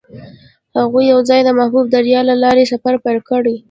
هغوی یوځای د محبوب دریا له لارې سفر پیل کړ.